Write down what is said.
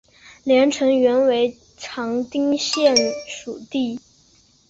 连城原为长汀县属地。